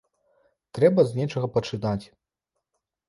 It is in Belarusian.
Трэба з нечага пачынаць.